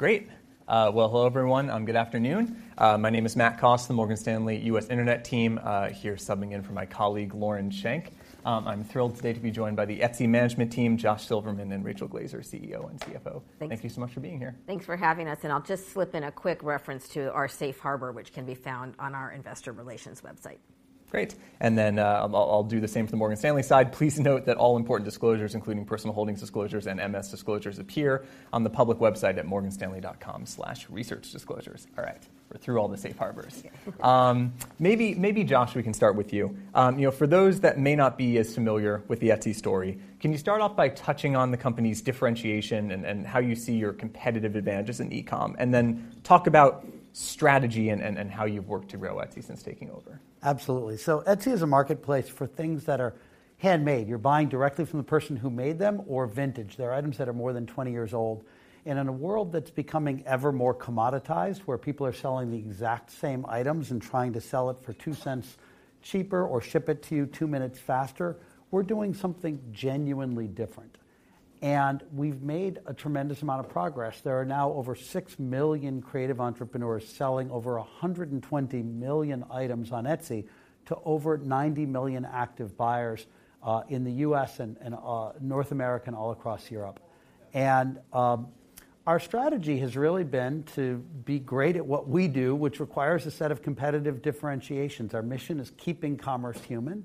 Great! Well, hello everyone. Good afternoon. My name is Matthew Cost, the Morgan Stanley US Internet team, here subbing in for my colleague, Lauren Schenk. I'm thrilled today to be joined by the Etsy management team, Josh Silverman and Rachel Glaser, CEO and CFO. Thanks. Thank you so much for being here. Thanks for having us, and I'll just slip in a quick reference to our safe harbor, which can be found on our investor relations website. Great. And then, I'll, I'll do the same for the Morgan Stanley side. Please note that all important disclosures, including personal holdings disclosures and MS disclosures, appear on the public website at morganstanley.com/researchdisclosures. All right, we're through all the safe harbors. Yeah. Maybe Josh, we can start with you. You know, for those that may not be as familiar with the Etsy story, can you start off by touching on the company's differentiation and how you see your competitive advantages in e-com? And then talk about strategy and how you've worked to grow Etsy since taking over. Absolutely. So Etsy is a marketplace for things that are handmade. You're buying directly from the person who made them or vintage. They're items that are more than 20 years old. And in a world that's becoming ever more commoditized, where people are selling the exact same items and trying to sell it for two cents cheaper or ship it to you two minutes faster, we're doing something genuinely different. And we've made a tremendous amount of progress. There are now over 6 million creative entrepreneurs selling over 120 million items on Etsy to over 90 million active buyers in the U.S. and North America and all across Europe. Our strategy has really been to be great at what we do, which requires a set of competitive differentiations. Our mission is keeping commerce human,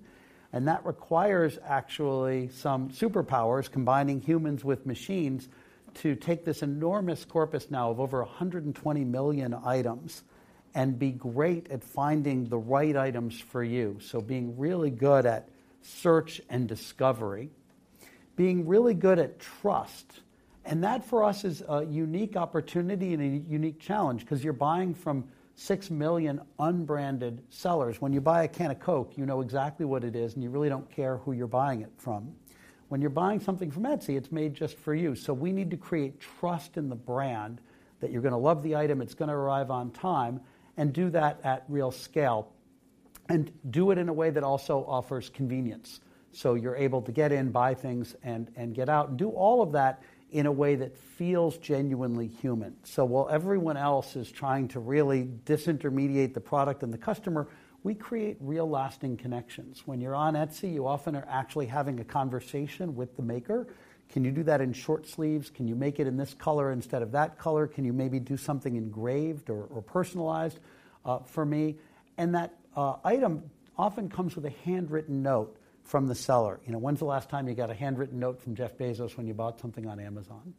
and that requires actually some superpowers, combining humans with machines, to take this enormous corpus now of over 120 million items and be great at finding the right items for you. So being really good at search and discovery, being really good at trust, and that, for us, is a unique opportunity and a unique challenge 'cause you're buying from 6 million unbranded sellers. When you buy a can of Coke, you know exactly what it is, and you really don't care who you're buying it from. When you're buying something from Etsy, it's made just for you. So we need to create trust in the brand, that you're gonna love the item, it's gonna arrive on time, and do that at real scale, and do it in a way that also offers convenience. So you're able to get in, buy things and get out. Do all of that in a way that feels genuinely human. So while everyone else is trying to really disintermediate the product and the customer, we create real, lasting connections. When you're on Etsy, you often are actually having a conversation with the maker. "Can you do that in short sleeves? Can you make it in this color instead of that color? Can you maybe do something engraved or personalized, for me?" And that item often comes with a handwritten note from the seller. You know, when's the last time you got a handwritten note from Jeff Bezos when you bought something on Amazon?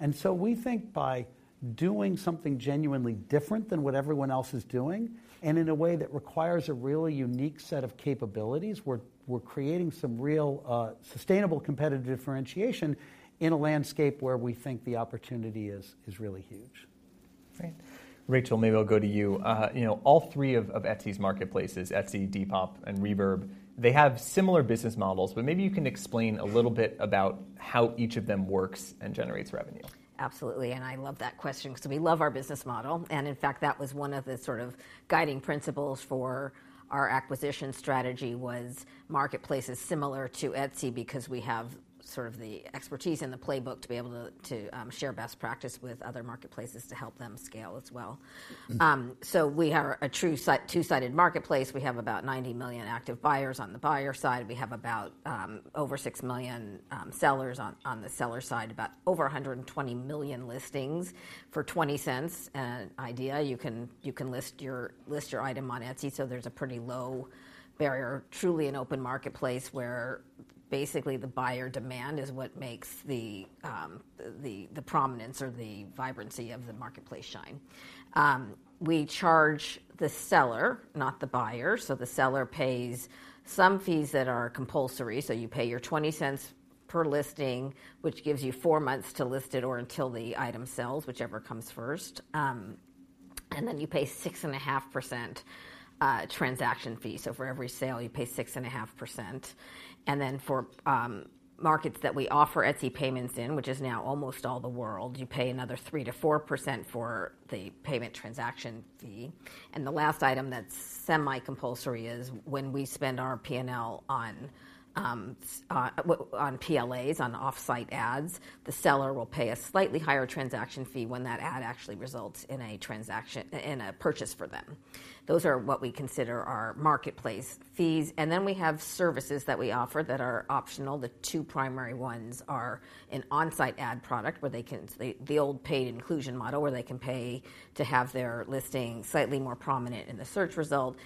And so we think by doing something genuinely different than what everyone else is doing, and in a way that requires a really unique set of capabilities, we're creating some real, sustainable competitive differentiation in a landscape where we think the opportunity is really huge. Great. Rachel, maybe I'll go to you. You know, all three of Etsy's marketplaces, Etsy, Depop, and Reverb, they have similar business models, but maybe you can explain a little bit about how each of them works and generates revenue. Absolutely, and I love that question 'cause we love our business model, and in fact, that was one of the sort of guiding principles for our acquisition strategy was marketplaces similar to Etsy because we have sort of the expertise and the playbook to be able to share best practice with other marketplaces to help them scale as well. Mm-hmm. So we are a true two-sided marketplace. We have about 90 million active buyers on the buyer side. We have about over 6 million sellers on the seller side, about over 120 million listings. For $0.20 an idea, you can list your item on Etsy, so there's a pretty low barrier. Truly an open marketplace, where basically the buyer demand is what makes the prominence or the vibrancy of the marketplace shine. We charge the seller, not the buyer, so the seller pays some fees that are compulsory. So you pay your $0.20 per listing, which gives you 4 months to list it or until the item sells, whichever comes first. And then you pay 6.5% transaction fee. So for every sale, you pay 6.5%. And then for markets that we offer Etsy payments in, which is now almost all the world, you pay another 3%-4% for the payment transaction fee. And the last item that's semi-compulsory is when we spend our PNL on PLAs, on Offsite Ads, the seller will pay a slightly higher transaction fee when that ad actually results in a transaction... in a purchase for them. Those are what we consider our marketplace fees, and then we have services that we offer that are optional. The two primary ones are an on-site ad product, the old paid inclusion model, where they can pay to have their listing slightly more prominent in the search result.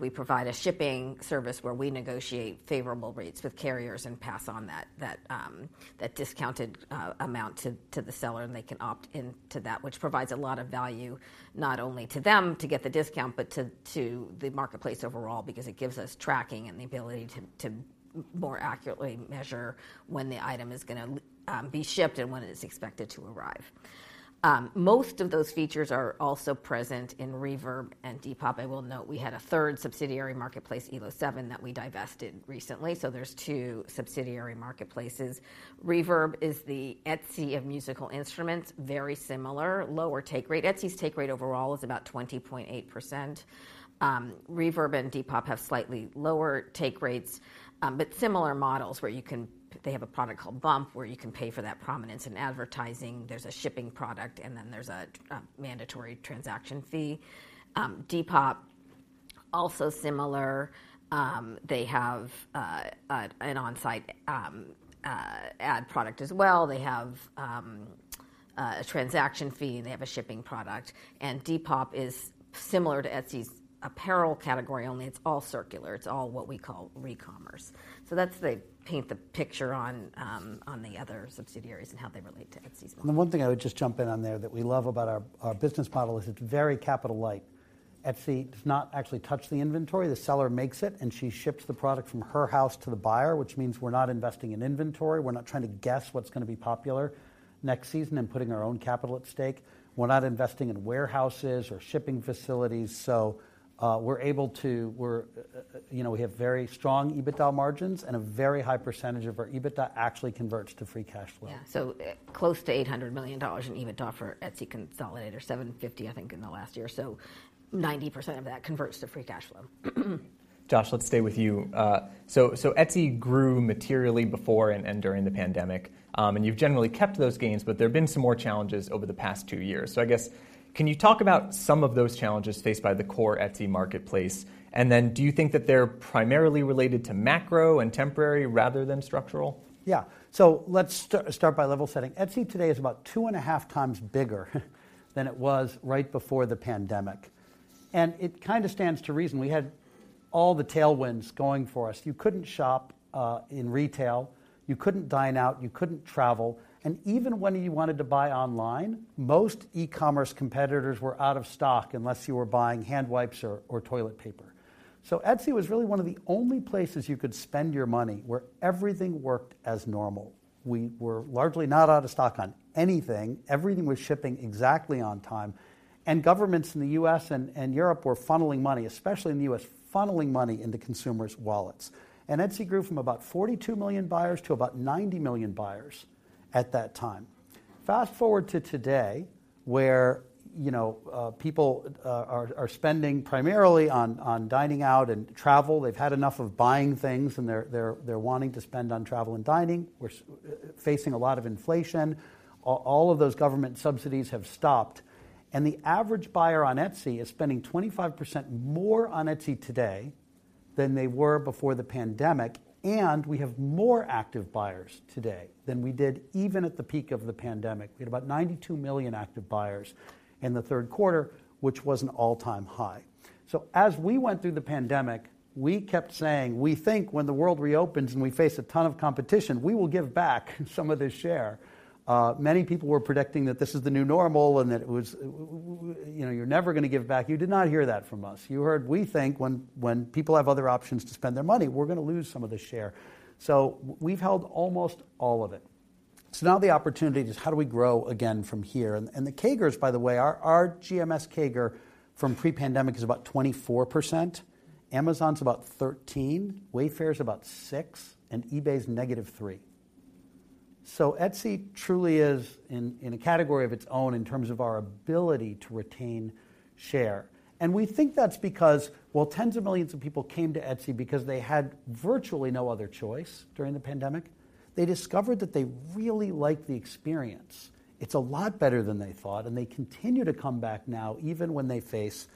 We provide a shipping service where we negotiate favorable rates with carriers and pass on that discounted amount to the seller, and they can opt into that, which provides a lot of value, not only to them to get the discount, but to the marketplace overall because it gives us tracking and the ability to more accurately measure when the item is gonna be shipped and when it is expected to arrive. Most of those features are also present in Reverb and Depop. I will note, we had a third subsidiary marketplace, Elo7, that we divested recently, so there's two subsidiary marketplaces. Reverb is the Etsy of musical instruments, very similar, lower take rate. Etsy's take rate overall is about 20.8%. Reverb and Depop have slightly lower take rates, but similar models, where they have a product called Bump, where you can pay for that prominence in advertising. There's a shipping product, and then there's a mandatory transaction fee. Depop also similar, they have an on-site ad product as well. They have a transaction fee, and they have a shipping product. And Depop is similar to Etsy's apparel category, only it's all circular. It's all what we call recommerce. So that's the paint the picture on the other subsidiaries and how they relate to Etsy's model. The one thing I would just jump in on there that we love about our business model is it's very capital light. Etsy does not actually touch the inventory. The seller makes it, and she ships the product from her house to the buyer, which means we're not investing in inventory. We're not trying to guess what's gonna be popular next season and putting our own capital at stake. We're not investing in warehouses or shipping facilities, so we're able to. We're, you know, we have very strong EBITDA margins, and a very high percentage of our EBITDA actually converts to free cash flow. Yeah. So, close to $800 million in EBITDA for Etsy consolidated, or $750, I think, in the last year. So 90% of that converts to free cash flow. Josh, let's stay with you. So, Etsy grew materially before and during the pandemic. And you've generally kept those gains, but there have been some more challenges over the past two years. So I guess, can you talk about some of those challenges faced by the core Etsy marketplace? And then do you think that they're primarily related to macro and temporary rather than structural? Yeah. So let's start by level setting. Etsy today is about 2.5 times bigger than it was right before the pandemic, and it kind of stands to reason. We had all the tailwinds going for us. You couldn't shop in retail, you couldn't dine out, you couldn't travel, and even when you wanted to buy online, most e-commerce competitors were out of stock unless you were buying hand wipes or toilet paper. So Etsy was really one of the only places you could spend your money, where everything worked as normal. We were largely not out of stock on anything. Everything was shipping exactly on time, and governments in the U.S. and Europe were funneling money, especially in the U.S., funneling money into consumers' wallets. And Etsy grew from about 42 million buyers to about 90 million buyers at that time. Fast-forward to today, where, you know, people are spending primarily on dining out and travel. They've had enough of buying things, and they're wanting to spend on travel and dining. We're facing a lot of inflation. All of those government subsidies have stopped, and the average buyer on Etsy is spending 25% more on Etsy today than they were before the pandemic. And we have more active buyers today than we did even at the peak of the pandemic. We had about 92 million active buyers in the third quarter, which was an all-time high. So as we went through the pandemic, we kept saying: We think when the world reopens, and we face a ton of competition, we will give back some of this share. Many people were predicting that this is the new normal and that it was, you know, you're never gonna give back. You did not hear that from us. You heard: We think when people have other options to spend their money, we're gonna lose some of this share. So we've held almost all of it. So now the opportunity is how do we grow again from here? And the CAGRs, by the way, our GMS CAGR from pre-pandemic is about 24%, Amazon's about 13%, Wayfair's about 6%, and eBay's -3%. So Etsy truly is in a category of its own in terms of our ability to retain share, and we think that's because, while tens of millions of people came to Etsy because they had virtually no other choice during the pandemic, they discovered that they really liked the experience. It's a lot better than they thought, and they continue to come back now, even when they face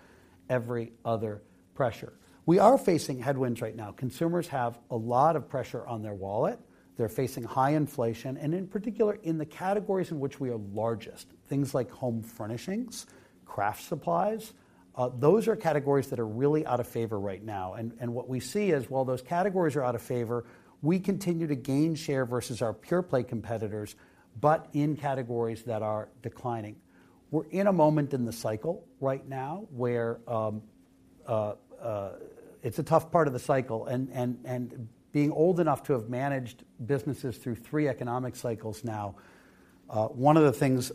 every other pressure. We are facing headwinds right now. Consumers have a lot of pressure on their wallet. They're facing high inflation, and in particular, in the categories in which we are largest, things like home furnishings, craft supplies, those are categories that are really out of favor right now. And, and what we see is, while those categories are out of favor, we continue to gain share versus our pure-play competitors, but in categories that are declining. We're in a moment in the cycle right now where it's a tough part of the cycle. Being old enough to have managed businesses through three economic cycles now, one of the things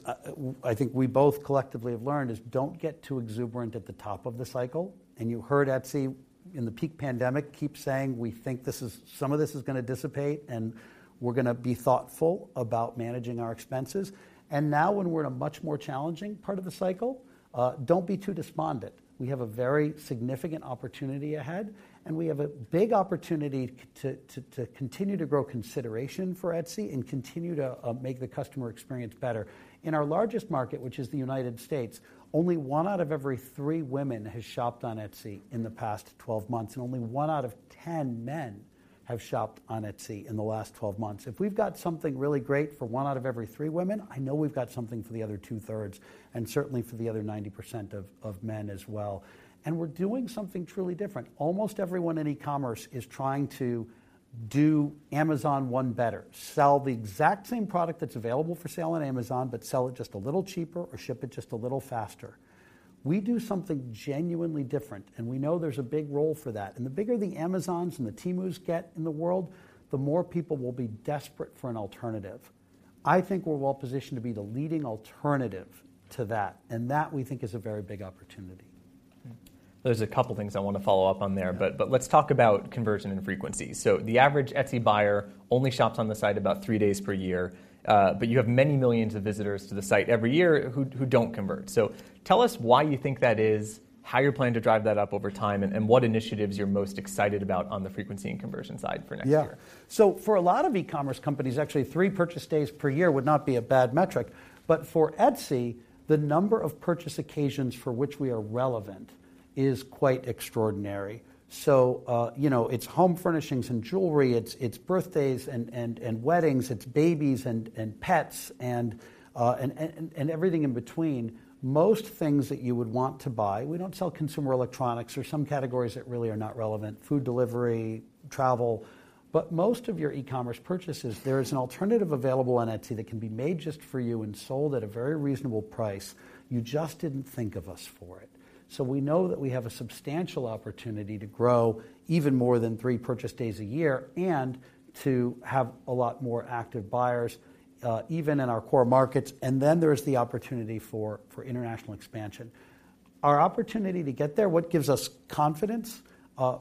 I think we both collectively have learned is: Don't get too exuberant at the top of the cycle. You heard Etsy, in the peak pandemic, keep saying: We think this is... Some of this is gonna dissipate, and we're gonna be thoughtful about managing our expenses. Now, when we're in a much more challenging part of the cycle, don't be too despondent. We have a very significant opportunity ahead, and we have a big opportunity to continue to grow consideration for Etsy and continue to make the customer experience better. In our largest market, which is the United States, only one out of every three women has shopped on Etsy in the past 12 months, and only one out of 10 men have shopped on Etsy in the last 12 months. If we've got something really great for one out of every three women, I know we've got something for the other two-thirds, and certainly for the other 90% of men as well, and we're doing something truly different. Almost everyone in e-commerce is trying to do Amazon one better, sell the exact same product that's available for sale on Amazon, but sell it just a little cheaper or ship it just a little faster. We do something genuinely different, and we know there's a big role for that. The bigger the Amazons and the Temus get in the world, the more people will be desperate for an alternative. I think we're well positioned to be the leading alternative to that, and that, we think, is a very big opportunity. There's a couple things I want to follow up on there. Yeah. But, but let's talk about conversion and frequency. So the average Etsy buyer only shops on the site about three days per year, but you have many millions of visitors to the site every year who, who don't convert. So tell us why you think that is, how you're planning to drive that up over time, and, and what initiatives you're most excited about on the frequency and conversion side for next year? Yeah. So for a lot of e-commerce companies, actually, three purchase days per year would not be a bad metric. But for Etsy, the number of purchase occasions for which we are relevant is quite extraordinary. So, you know, it's home furnishings and jewelry, it's birthdays and weddings, it's babies and pets, and everything in between. Most things that you would want to buy. We don't sell consumer electronics. There are some categories that really are not relevant: food delivery, travel. But most of your e-commerce purchases, there is an alternative available on Etsy that can be made just for you and sold at a very reasonable price. You just didn't think of us for it. So we know that we have a substantial opportunity to grow even more than three purchase days a year, and to have a lot more active buyers even in our core markets. And then there's the opportunity for, for international expansion. Our opportunity to get there, what gives us confidence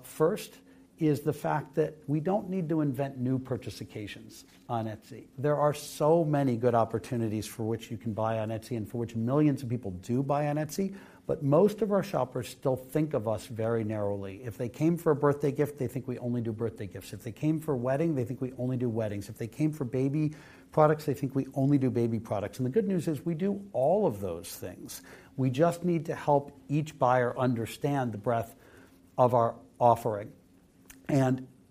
first, is the fact that we don't need to invent new purchase occasions on Etsy. There are so many good opportunities for which you can buy on Etsy and for which millions of people do buy on Etsy, but most of our shoppers still think of us very narrowly. If they came for a birthday gift, they think we only do birthday gifts. If they came for a wedding, they think we only do weddings. If they came for baby products, they think we only do baby products. The good news is, we do all of those things. We just need to help each buyer understand the breadth of our offering.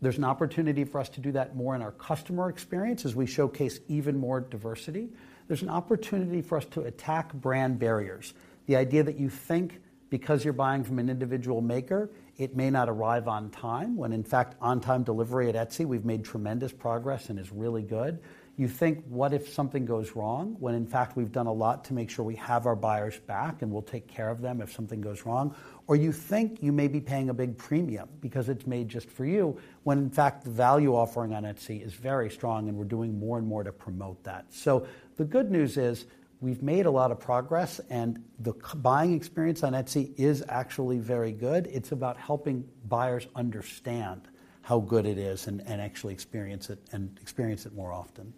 There's an opportunity for us to do that more in our customer experience, as we showcase even more diversity. There's an opportunity for us to attack brand barriers. The idea that you think because you're buying from an individual maker, it may not arrive on time, when in fact, on-time delivery at Etsy, we've made tremendous progress and is really good. You think, "What if something goes wrong?" When in fact, we've done a lot to make sure we have our buyers' back, and we'll take care of them if something goes wrong. Or you think you may be paying a big premium because it's made just for you, when in fact, the value offering on Etsy is very strong, and we're doing more and more to promote that. So the good news is, we've made a lot of progress, and the buying experience on Etsy is actually very good. It's about helping buyers understand how good it is and actually experience it, and experience it more often.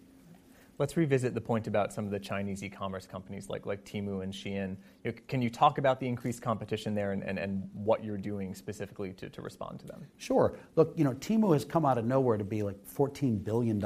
Let's revisit the point about some of the Chinese e-commerce companies like Temu and Shein. Can you talk about the increased competition there and what you're doing specifically to respond to them? Sure. Look, you know, Temu has come out of nowhere to be, like, $14 billion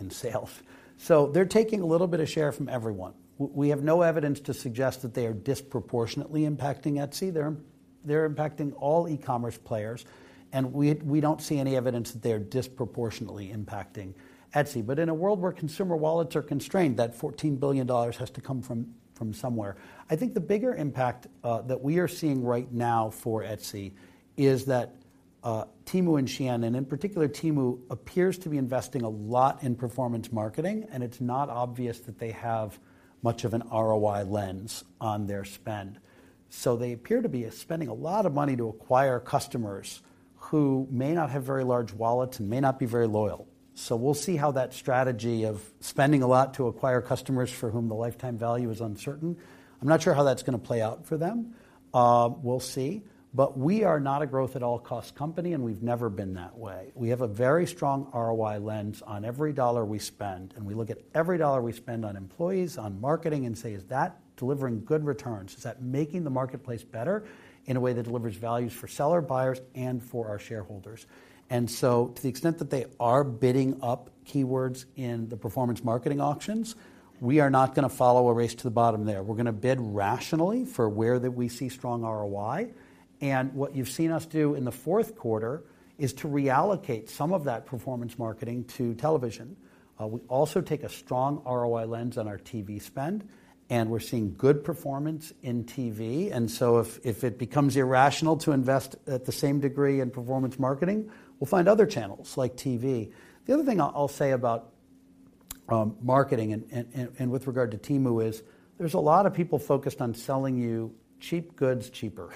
in sales. So they're taking a little bit of share from everyone. We have no evidence to suggest that they are disproportionately impacting Etsy. They're, they're impacting all e-commerce players, and we, we don't see any evidence that they are disproportionately impacting Etsy. But in a world where consumer wallets are constrained, that $14 billion has to come from, from somewhere. I think the bigger impact that we are seeing right now for Etsy is that Temu and Shein, and in particular, Temu, appears to be investing a lot in performance marketing, and it's not obvious that they have much of an ROI lens on their spend. So they appear to be spending a lot of money to acquire customers who may not have very large wallets and may not be very loyal. So we'll see how that strategy of spending a lot to acquire customers for whom the lifetime value is uncertain. I'm not sure how that's gonna play out for them. We'll see. But we are not a growth-at-all-costs company, and we've never been that way. We have a very strong ROI lens on every dollar we spend, and we look at every dollar we spend on employees, on marketing, and say: "Is that delivering good returns? Is that making the marketplace better in a way that delivers values for seller, buyers, and for our shareholders?" And so to the extent that they are bidding up keywords in the performance marketing auctions, we are not gonna follow a race to the bottom there. We're gonna bid rationally for where that we see strong ROI, and what you've seen us do in the fourth quarter is to reallocate some of that performance marketing to television. We also take a strong ROI lens on our TV spend, and we're seeing good performance in TV. So if it becomes irrational to invest at the same degree in performance marketing, we'll find other channels like TV. The other thing I'll say about marketing and with regard to Temu is, there's a lot of people focused on selling you cheap goods cheaper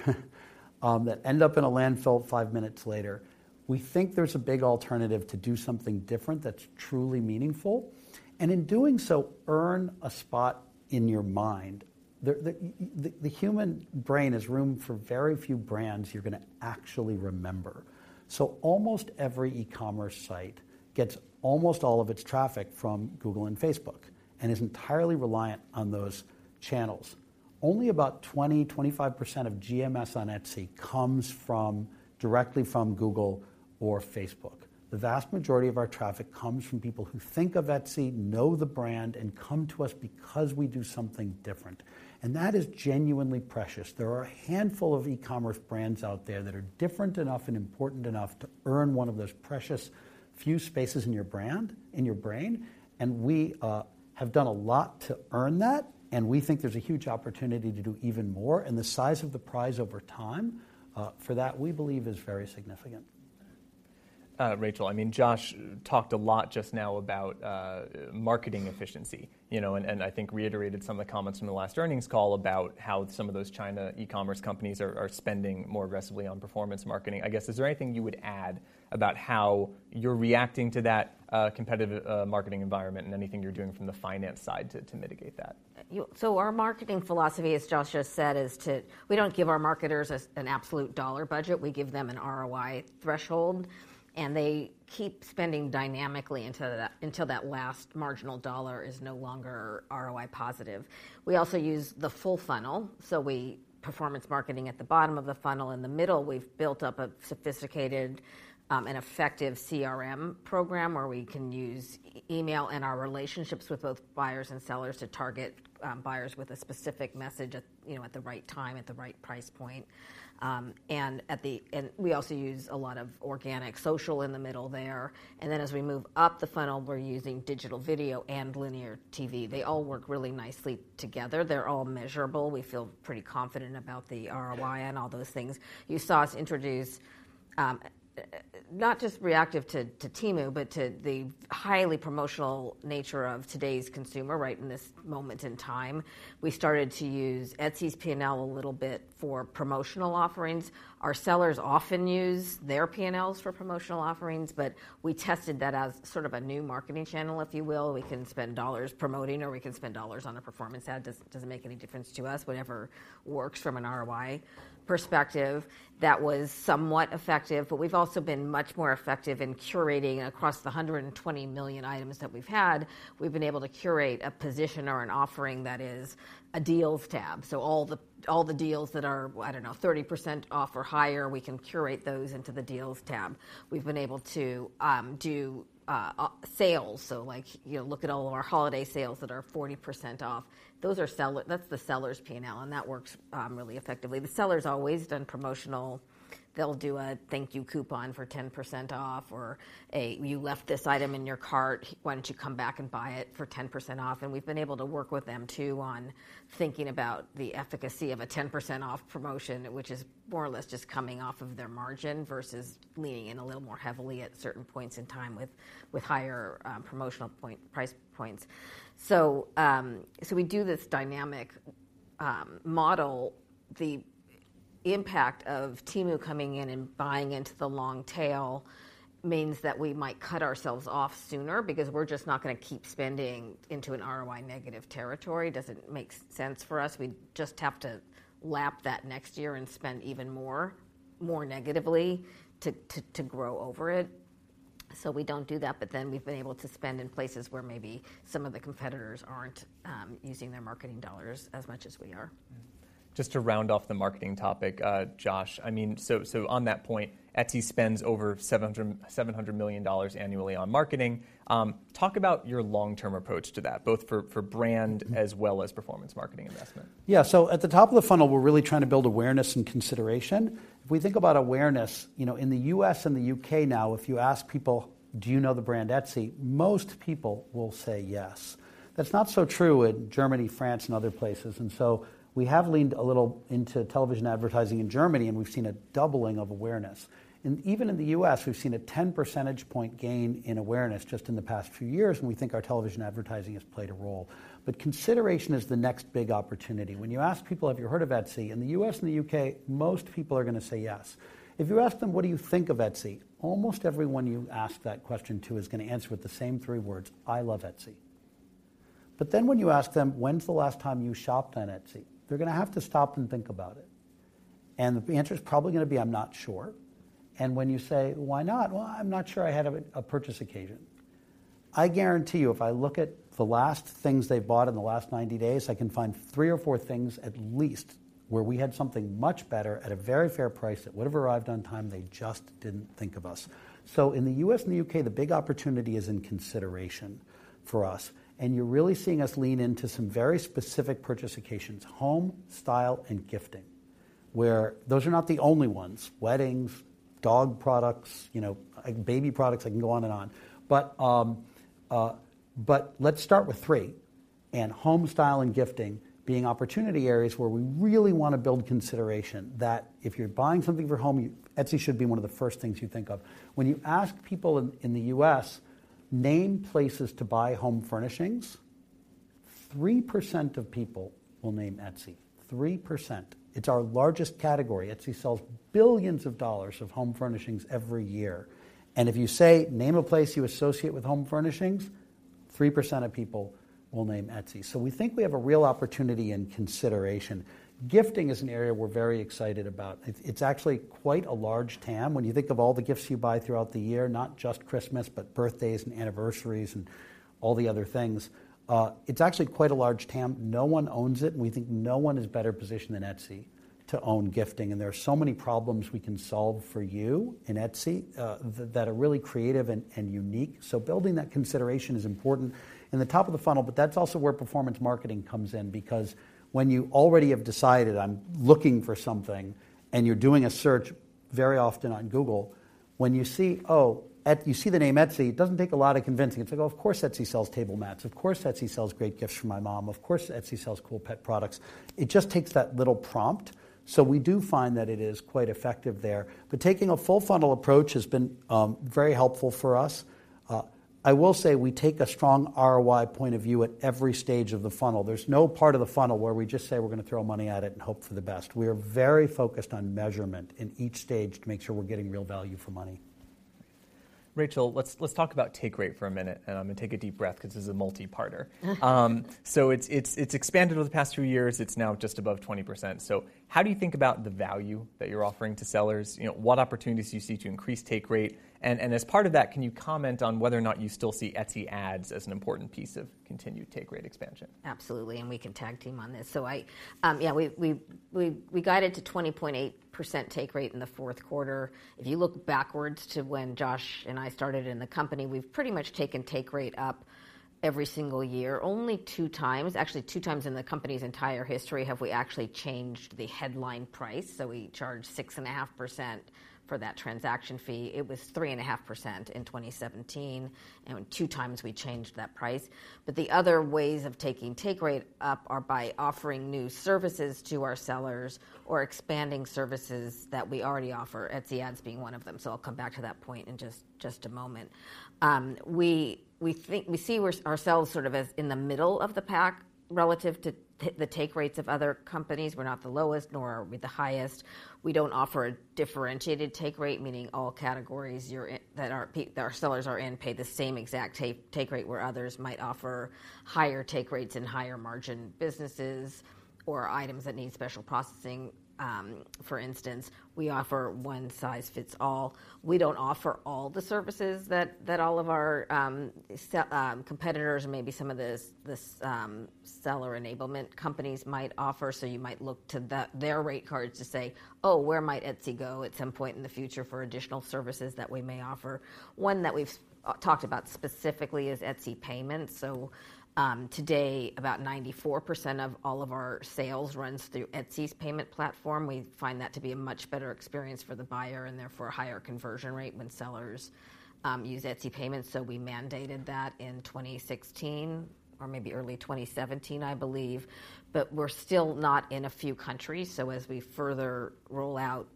that end up in a landfill five minutes later. We think there's a big alternative to do something different that's truly meaningful, and in doing so, earn a spot in your mind. The human brain has room for very few brands you're gonna actually remember. So almost every e-commerce site gets almost all of its traffic from Google and Facebook and is entirely reliant on those channels. Only about 20%-25% of GMS on Etsy comes from, directly from Google or Facebook. The vast majority of our traffic comes from people who think of Etsy, know the brand, and come to us because we do something different, and that is genuinely precious. There are a handful of e-commerce brands out there that are different enough and important enough to earn one of those precious few spaces in your brand, in your brain, and we have done a lot to earn that, and we think there's a huge opportunity to do even more. And the size of the prize over time, for that, we believe, is very significant. Rachel, I mean, Josh talked a lot just now about marketing efficiency, you know, and I think reiterated some of the comments from the last earnings call about how some of those China e-commerce companies are spending more aggressively on performance marketing. I guess, is there anything you would add about how you're reacting to that competitive marketing environment and anything you're doing from the finance side to mitigate that? So our marketing philosophy, as Josh just said, is to. We don't give our marketers an absolute dollar budget. We give them an ROI threshold, and they keep spending dynamically until that last marginal dollar is no longer ROI positive. We also use the full funnel. Performance marketing at the bottom of the funnel. In the middle, we've built up a sophisticated and effective CRM program where we can use email and our relationships with both buyers and sellers to target buyers with a specific message at, you know, at the right time, at the right price point. And we also use a lot of organic social in the middle there. And then as we move up the funnel, we're using digital video and linear TV. They all work really nicely together. They're all measurable. We feel pretty confident about the ROI and all those things. You saw us introduce, not just reactive to Temu, but to the highly promotional nature of today's consumer right in this moment in time. We started to use Etsy's P&L a little bit for promotional offerings. Our sellers often use their P&Ls for promotional offerings, but we tested that as sort of a new marketing channel, if you will. We can spend dollars promoting or we can spend dollars on a performance ad. Doesn't make any difference to us. Whatever works from an ROI perspective, that was somewhat effective. But we've also been much more effective in curating across the 120 million items that we've had. We've been able to curate a position or an offering that is a deals tab, so all the, all the deals that are, I don't know, 30% off or higher, we can curate those into the deals tab. We've been able to do sales. So, like, you look at all of our holiday sales that are 40% off, those are seller-- that's the seller's P&L, and that works really effectively. The seller's always done promotional. They'll do a thank you coupon for 10% off or a, "You left this item in your cart. Why don't you come back and buy it for 10% off?" And we've been able to work with them too on thinking about the efficacy of a 10% off promotion, which is more or less just coming off of their margin, versus leaning in a little more heavily at certain points in time with, with higher, promotional point, price points. So, so we do this dynamic, model. The impact of Temu coming in and buying into the long tail means that we might cut ourselves off sooner because we're just not gonna keep spending into an ROI negative territory. Doesn't make sense for us. We'd just have to lap that next year and spend even more, more negatively to, to, to grow over it. So we don't do that, but then we've been able to spend in places where maybe some of the competitors aren't using their marketing dollars as much as we are. Just to round off the marketing topic, Josh, I mean, so on that point, Etsy spends over $700 million annually on marketing. Talk about your long-term approach to that, both for brand as well as performance marketing investment. Yeah. So at the top of the funnel, we're really trying to build awareness and consideration. If we think about awareness, you know, in the U.S. and the U.K. now, if you ask people: Do you know the brand Etsy? Most people will say yes. That's not so true in Germany, France, and other places, and so we have leaned a little into television advertising in Germany, and we've seen a doubling of awareness. And even in the U.S., we've seen a 10 percentage point gain in awareness just in the past few years, and we think our television advertising has played a role. But consideration is the next big opportunity. When you ask people, "Have you heard of Etsy?" In the U.S. and the U.K., most people are gonna say yes. If you ask them, "What do you think of Etsy?" Almost everyone you ask that question to is gonna answer with the same three words: "I love Etsy." But then when you ask them, "When's the last time you shopped on Etsy?" They're gonna have to stop and think about it, and the answer is probably gonna be: I'm not sure. And when you say: Why not? Well, I'm not sure I had a purchase occasion. I guarantee you, if I look at the last things they've bought in the last 90 days, I can find three or four things at least, where we had something much better at a very fair price that would've arrived on time. They just didn't think of us. So in the U.S. and the U.K., the big opportunity is in consideration for us, and you're really seeing us lean into some very specific purchase occasions: home, style, and gifting. Where those are not the only ones, weddings, dog products, you know, baby products, I can go on and on. But but let's start with three, and home, style, and gifting being opportunity areas where we really want to build consideration that if you're buying something for home, Etsy should be one of the first things you think of. When you ask people in, in the U.S., name places to buy home furnishings, 3% of people will name Etsy. 3%. It's our largest category. Etsy sells $ billions of home furnishings every year, and if you say, "Name a place you associate with home furnishings," 3% of people will name Etsy. We think we have a real opportunity in consideration. Gifting is an area we're very excited about. It's actually quite a large TAM. When you think of all the gifts you buy throughout the year, not just Christmas, but birthdays and anniversaries and all the other things, it's actually quite a large TAM. No one owns it, and we think no one is better positioned than Etsy to own gifting. There are so many problems we can solve for you in Etsy, that are really creative and unique. So building that consideration is important in the top of the funnel, but that's also where performance marketing comes in, because when you already have decided I'm looking for something, and you're doing a search very often on Google, when you see, oh, Etsy—you see the name Etsy, it doesn't take a lot of convincing. It's like, oh, of course, Etsy sells table mats. Of course, Etsy sells great gifts for my mom. Of course, Etsy sells cool pet products. It just takes that little prompt, so we do find that it is quite effective there. But taking a full funnel approach has been very helpful for us. I will say we take a strong ROI point of view at every stage of the funnel. There's no part of the funnel where we just say: We're gonna throw money at it and hope for the best. We are very focused on measurement in each stage to make sure we're getting real value for money.... Rachel, let's talk about take rate for a minute, and take a deep breath 'cause this is a multi-parter. So it's expanded over the past few years. It's now just above 20%. So how do you think about the value that you're offering to sellers? You know, what opportunities do you see to increase take rate? And as part of that, can you comment on whether or not you still see Etsy Ads as an important piece of continued take rate expansion? Absolutely, and we can tag team on this. So I, yeah, we got it to 20.8% take rate in the fourth quarter. If you look backwards to when Josh and I started in the company, we've pretty much taken take rate up every single year. Only two times, actually, two times in the company's entire history, have we actually changed the headline price. So we charged 6.5% for that transaction fee. It was 3.5% in 2017, and two times we changed that price. But the other ways of taking take rate up are by offering new services to our sellers or expanding services that we already offer, Etsy Ads being one of them. So I'll come back to that point in just a moment. We think we see ourselves sort of as in the middle of the pack relative to the take rates of other companies. We're not the lowest, nor are we the highest. We don't offer a differentiated take rate, meaning all categories you're in that our sellers are in pay the same exact take rate, where others might offer higher take rates and higher margin businesses or items that need special processing. For instance, we offer one size fits all. We don't offer all the services that all of our competitors or maybe some of the seller enablement companies might offer. So you might look to their rate cards to say, "Oh, where might Etsy go at some point in the future for additional services that we may offer?" One that we've talked about specifically is Etsy payments. So, today, about 94% of all of our sales runs through Etsy's payment platform. We find that to be a much better experience for the buyer and therefore a higher conversion rate when sellers use Etsy payments. So we mandated that in 2016 or maybe early 2017, I believe. But we're still not in a few countries. So as we further roll out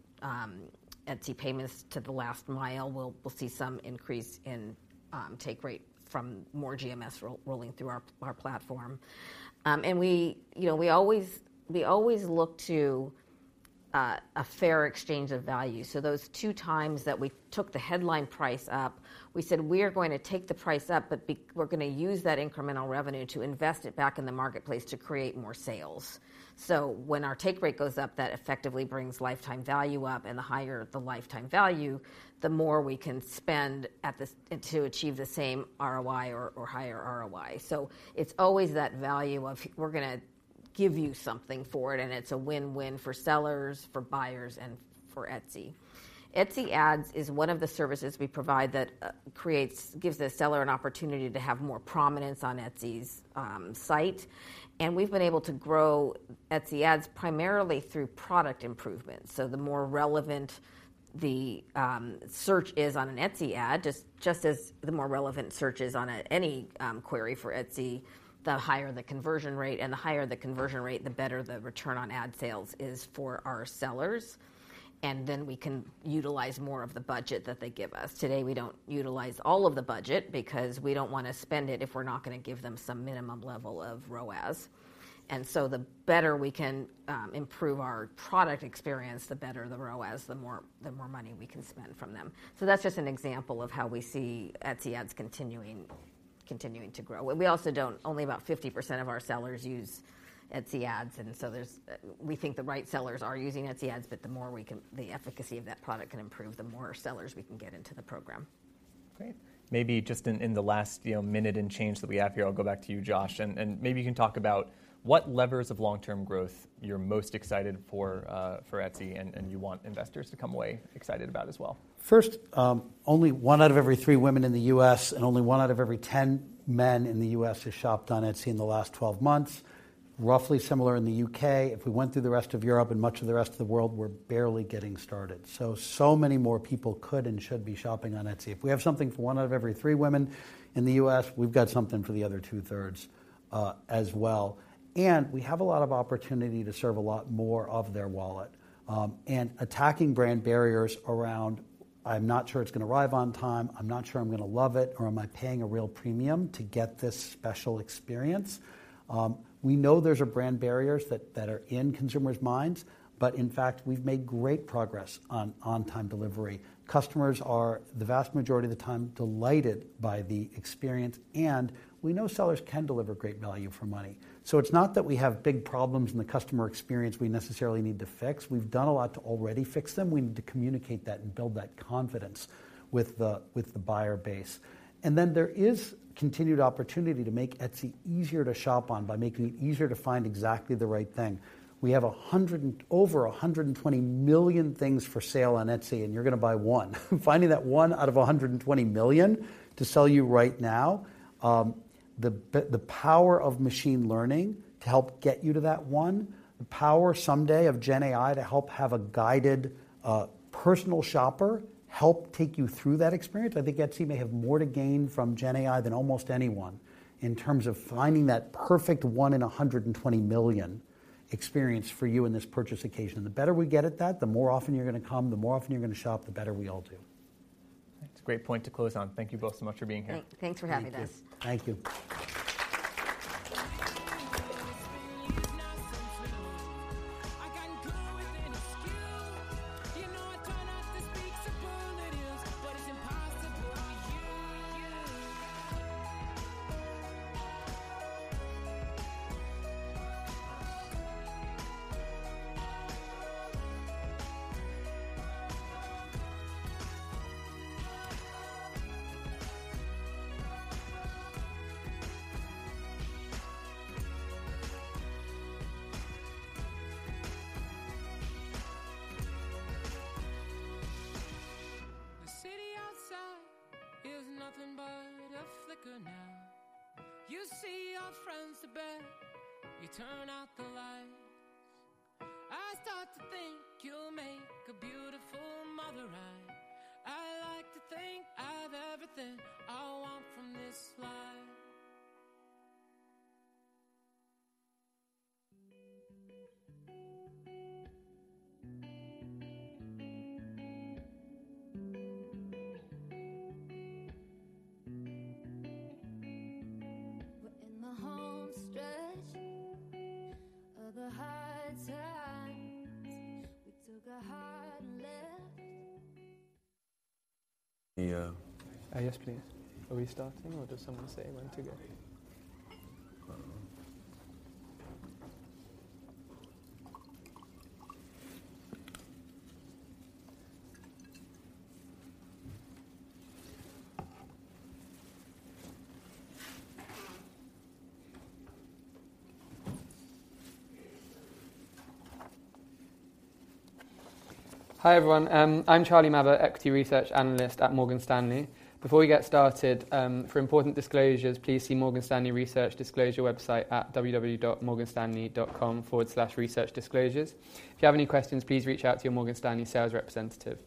Etsy payments to the last mile, we'll see some increase in take rate from more GMS rolling through our platform. And we, you know, we always look to a fair exchange of value. So those two times that we took the headline price up, we said, "We're going to take the price up, but we're gonna use that incremental revenue to invest it back in the marketplace to create more sales." So when our take rate goes up, that effectively brings lifetime value up, and the higher the lifetime value, the more we can spend at the... to achieve the same ROI or higher ROI. So it's always that value of, we're gonna give you something for it, and it's a win-win for sellers, for buyers, and for Etsy. Etsy Ads is one of the services we provide that gives the seller an opportunity to have more prominence on Etsy's site. And we've been able to grow Etsy Ads primarily through product improvements. So the more relevant the search is on an Etsy Ads, just, just as the more relevant searches on a any query for Etsy, the higher the conversion rate, and the higher the conversion rate, the better the return on ad spend is for our sellers, and then we can utilize more of the budget that they give us. Today, we don't utilize all of the budget because we don't wanna spend it if we're not gonna give them some minimum level of ROAS. And so the better we can improve our product experience, the better the ROAS, the more, the more money we can spend from them. So that's just an example of how we see Etsy Ads continuing, continuing to grow. And we also don't... Only about 50% of our sellers use Etsy Ads, and so there's... We think the right sellers are using Etsy Ads, but the more we can, the efficacy of that product can improve, the more sellers we can get into the program. Great. Maybe just in the last, you know, minute and change that we have here, I'll go back to you, Josh, and maybe you can talk about what levers of long-term growth you're most excited for, for Etsy, and you want investors to come away excited about as well. First, only one out of every three women in the U.S. and only one out of every 10 men in the U.S. has shopped on Etsy in the last 12 months. Roughly similar in the U.K. If we went through the rest of Europe and much of the rest of the world, we're barely getting started. So, so many more people could and should be shopping on Etsy. If we have something for one out of every three women in the U.S., we've got something for the other two-thirds as well. And we have a lot of opportunity to serve a lot more of their wallet. And attacking brand barriers around, "I'm not sure it's gonna arrive on time, I'm not sure I'm gonna love it, or am I paying a real premium to get this special experience?" We know those are brand barriers that, that are in consumers' minds, but in fact, we've made great progress on on-time delivery. Customers are, the vast majority of the time, delighted by the experience, and we know sellers can deliver great value for money. So it's not that we have big problems in the customer experience we necessarily need to fix. We've done a lot to already fix them. We need to communicate that and build that confidence with the, with the buyer base. And then there is continued opportunity to make Etsy easier to shop on by making it easier to find exactly the right thing. We have 100 and... Over 120 million things for sale on Etsy, and you're gonna buy one. Finding that one out of 120 million to sell you right now, the power of machine learning to help get you to that one, the power someday of GenAI to help have a guided, personal shopper, help take you through that experience. I think Etsy may have more to gain from GenAI than almost anyone in terms of finding that perfect one in 120 million experience for you in this purchase occasion. The better we get at that, the more often you're gonna come, the more often you're gonna shop, the better we all do. That's a great point to close on. Thank you both so much for being here. Thanks for having us. Thank you. Thank you. The, uh- Yes, please. Are we starting or does someone say when to go? I don't know. Hi, everyone. I'm Charlie Mabbutt, equity research analyst at Morgan Stanley. Before we get started, for important disclosures, please see Morgan Stanley Research Disclosure website at www.morganstanley.com/researchdisclosures. If you have any questions, please reach out to your Morgan Stanley sales representative.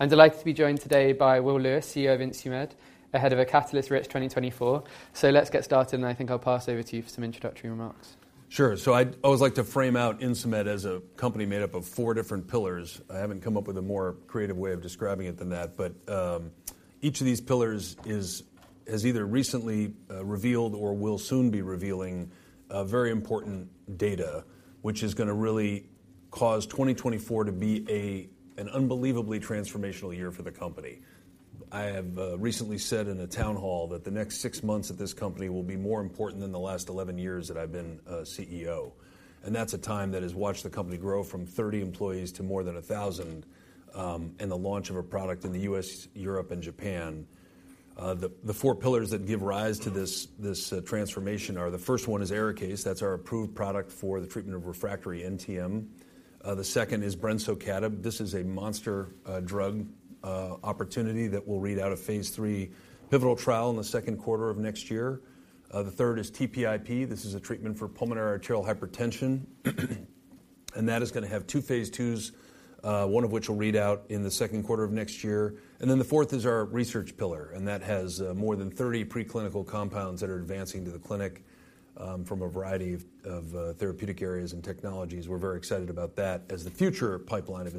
I'm delighted to be joined today by Will Lewis, CEO of Insmed, ahead of a catalyst-rich 2024. So let's get started, and I think I'll pass over to you for some introductory remarks. Sure. So I'd always like to frame out Insmed as a company made up of four different pillars. I haven't come up with a more creative way of describing it than that, but each of these pillars is, has either recently revealed or will soon be revealing very important data, which is gonna really cause 2024 to be a, an unbelievably transformational year for the company. I have recently said in a town hall that the next 6 months at this company will be more important than the last 11 years that I've been a CEO, and that's a time that has watched the company grow from 30 employees to more than 1,000, and the launch of a product in the U.S., Europe, and Japan. The four pillars that give rise to this transformation are: the first one is ARIKAYCE. That's our approved product for the treatment of refractory NTM. The second is brensocatib. This is a monster drug opportunity that will read out of Phase III pivotal trial in the second quarter of next year. The third is TPIP. This is a treatment for pulmonary arterial hypertension, and that is gonna have two Phase II's, one of which will read out in the second quarter of next year. And then the fourth is our research pillar, and that has more than 30 preclinical compounds that are advancing to the clinic from a variety of therapeutic areas and technologies. We're very excited about that as the future pipeline of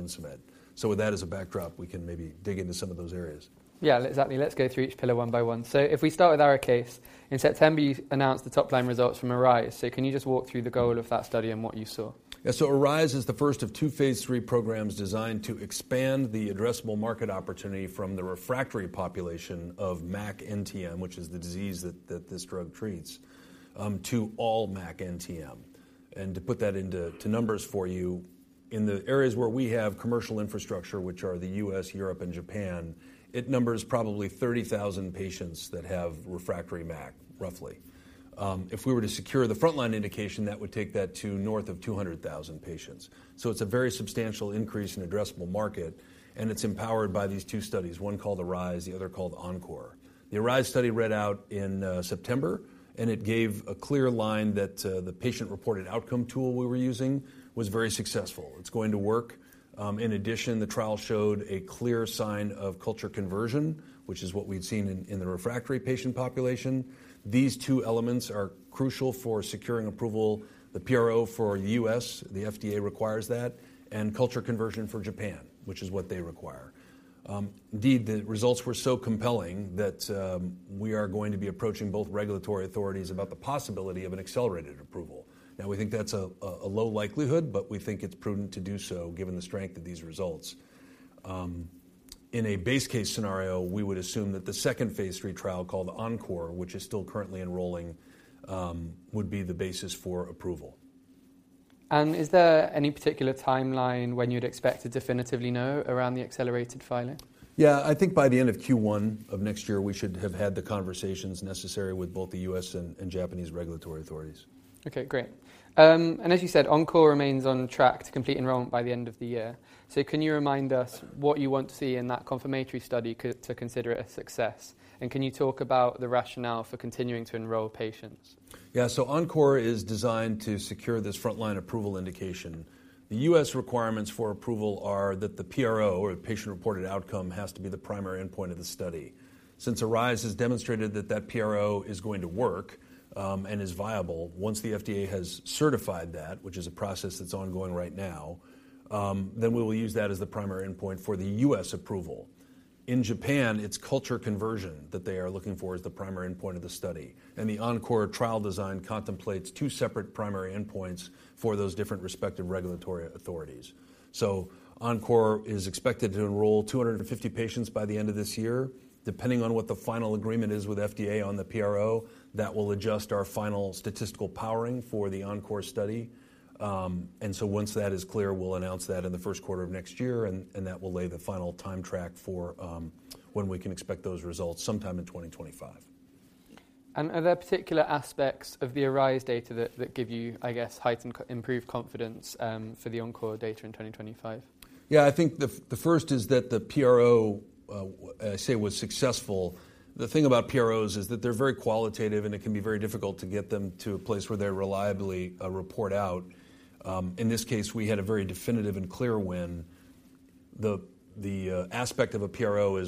Insmed. With that as a backdrop, we can maybe dig into some of those areas. Yeah, exactly. Let's go through each pillar one by one. So if we start with ARIKAYCE, in September, you announced the top-line results from ARISE. So can you just walk through the goal of that study and what you saw? Yeah. So ARISE is the first of two phase III programs designed to expand the addressable market opportunity from the refractory population of MAC NTM, which is the disease that this drug treats, to all MAC NTM. And to put that into, to numbers for you, in the areas where we have commercial infrastructure, which are the U.S., Europe, and Japan, it numbers probably 30,000 patients that have refractory MAC, roughly. If we were to secure the frontline indication, that would take that to north of 200,000 patients. So it's a very substantial increase in addressable market, and it's empowered by these two studies, one called ARISE, the other called ENCORE. The ARISE study read out in September, and it gave a clear line that the patient-reported outcome tool we were using was very successful. It's going to work. In addition, the trial showed a clear sign of culture conversion, which is what we'd seen in the refractory patient population. These two elements are crucial for securing approval. The PRO for the U.S., the FDA requires that, and culture conversion for Japan, which is what they require. Indeed, the results were so compelling that we are going to be approaching both regulatory authorities about the possibility of an accelerated approval. Now, we think that's a low likelihood, but we think it's prudent to do so, given the strength of these results. In a base case scenario, we would assume that the second phase III trial called ENCORE, which is still currently enrolling, would be the basis for approval. Is there any particular timeline when you'd expect to definitively know around the accelerated filing? Yeah, I think by the end of Q1 of next year, we should have had the conversations necessary with both the U.S. and Japanese regulatory authorities. Okay, great. And as you said, ENCORE remains on track to complete enrollment by the end of the year. So can you remind us what you want to see in that confirmatory study to consider it a success? And can you talk about the rationale for continuing to enroll patients? Yeah. So ENCORE is designed to secure this frontline approval indication. The U.S. requirements for approval are that the PRO, or the patient-reported outcome, has to be the primary endpoint of the study. Since ARISE has demonstrated that that PRO is going to work, and is viable, once the FDA has certified that, which is a process that's ongoing right now, then we will use that as the primary endpoint for the U.S. approval. In Japan, it's culture conversion that they are looking for as the primary endpoint of the study, and the ENCORE trial design contemplates two separate primary endpoints for those different respective regulatory authorities. So ENCORE is expected to enroll 250 patients by the end of this year. Depending on what the final agreement is with FDA on the PRO, that will adjust our final statistical powering for the ENCORE study. Once that is clear, we'll announce that in the first quarter of next year, and that will lay the final time track for when we can expect those results sometime in 2025. Are there particular aspects of the ARISE data that give you, I guess, heightened improved confidence for the ENCORE data in 2025? Yeah, I think the first is that the PRO, as I say, was successful. The thing about PROs is that they're very qualitative, and it can be very difficult to get them to a place where they reliably report out. In this case, we had a very definitive and clear win. The aspect of a PRO is-